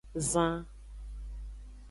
Zan.